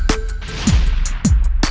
gak ada yang nungguin